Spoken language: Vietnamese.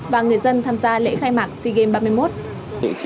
và người dân tham gia lễ khai mạc sigems ba mươi một